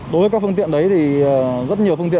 đối với các phương tiện đấy thì rất nhiều phương tiện